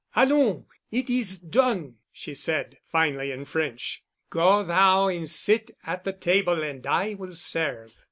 "Allons! It is done," she said finally—in French. "Go thou and sit at the table and I will serve."